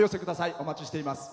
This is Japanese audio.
お待ちしています。